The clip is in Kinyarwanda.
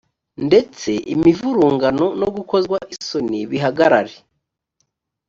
ndetse imivurungano no gukozwa isoni bihagarare